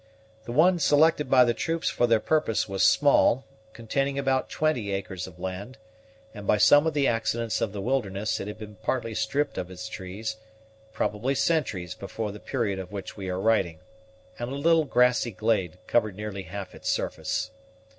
The one selected by the troops for their purpose was small, containing about twenty acres of land, and by some of the accidents of the wilderness it had been partly stripped of its trees, probably centuries before the period of which we are writing, and a little grassy glade covered nearly half its surface.